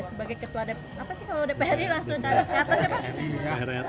sebagai ketua dpr ri